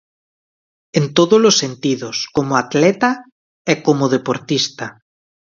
En todos os sentidos, como atleta e como deportista.